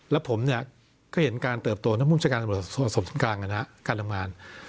แล้วผมเนี่ยก็เห็นการเติบโตนักภูมิเศรษฐการส่วนสมกลางกันฮะการทำงาน